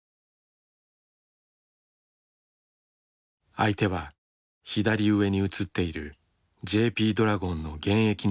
相手は左上に写っているＪＰドラゴンの現役の幹部だという。